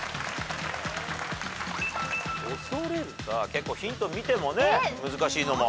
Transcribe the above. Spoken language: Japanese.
結構ヒント見てもね難しいのも。